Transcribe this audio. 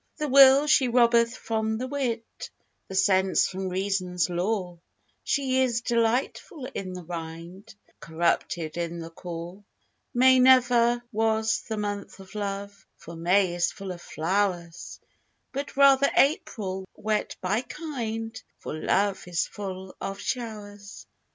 The will she robbeth from the wit, The sense from reason's lore; She is delightful in the rind, Corrupted in the core. May never was the month of love, For May is full of flowers; But rather April, wet by kind; For love is full of showers.